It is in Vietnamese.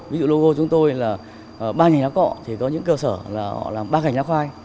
ví dụ logo chúng tôi là ba ngành lá cọ thì có những cơ sở là họ làm ba ngành lá khoai